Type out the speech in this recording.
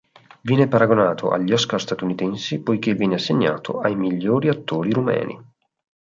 Viene paragonato agli Oscar statunitensi poiché viene assegnato ai migliori attori rumeni.